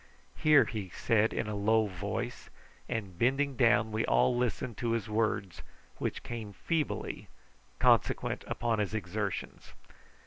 "Here!" he said in a low voice; and bending down we all listened to his words, which came feebly, consequent upon his exertions.